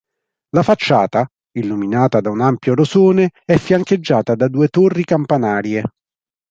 La facciata, illuminata da un ampio rosone, è fiancheggiata da due torri campanarie.